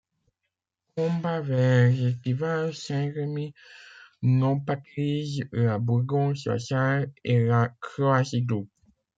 Combats vers Étival, Saint-Remy, Nompatelize, La Bourgonce, La Salle et la Croix-Idoux.